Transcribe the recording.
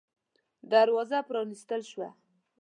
دروازه پرانستل شوه.